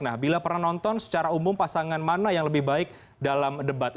nah bila pernah nonton secara umum pasangan mana yang lebih baik dalam debat